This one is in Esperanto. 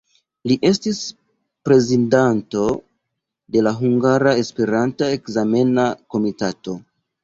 Li estis prezidanto de la Hungara Esperanta Ekzamena Komitato.